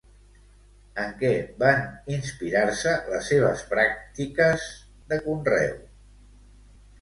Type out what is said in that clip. En què van inspirar-se les seves pràctiques de conreu?